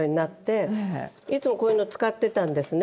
いつもこういうの使ってたんですね。